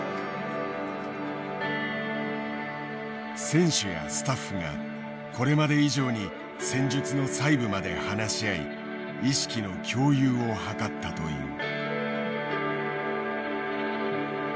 選手やスタッフがこれまで以上に戦術の細部まで話し合い意識の共有を図ったという。